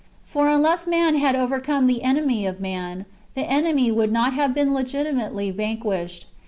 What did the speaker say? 343 For unless man had overcome the enemy of man, the enemy would not have been legitimately vanquished.